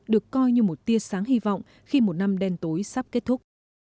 được coi như một tia sáng hy vọng khi một năm đen tối sắp kết thúc